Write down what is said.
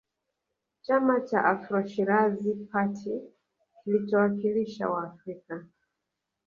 Chama cha AfroShirazi party kilichowakilisha Waafrika